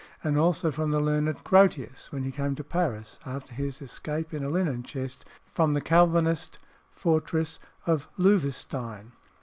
and also from the learned Grotius when he came to Paris, after his escape in a linen chest from the Calvinist fortress of Louvestein.